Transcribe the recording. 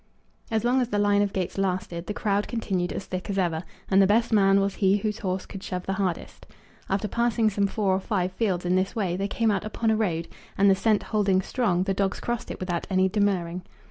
As long as the line of gates lasted, the crowd continued as thick as ever, and the best man was he whose horse could shove the hardest. After passing some four or five fields in this way they came out upon a road, and, the scent holding strong, the dogs crossed it without any demurring.